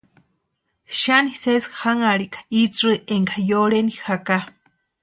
Xani sesi janharika itsï énka yorheni jaka.